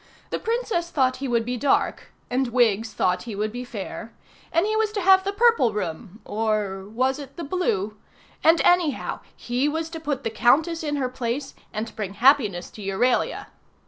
The Princess thought he would be dark, and Wiggs thought he would be fair, and he was to have the Purple Room or was it the Blue? and anyhow he was to put the Countess in her place and bring happiness to Euralia.